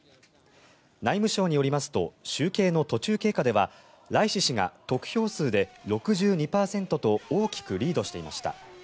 内務省によりますと集計の途中経過ではライシ師が得票数で６２％と大きくリードしていました。